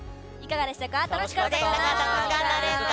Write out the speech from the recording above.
楽しかったですか？